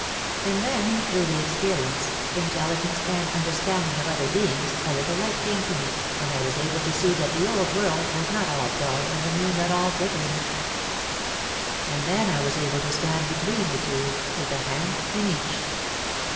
And then through the experience, intelligence and understanding of other beings a little light came to me and I was able to see that the Old World was not all dull and the new not all glittering. And then I was able to stand between the two, with a hand in each.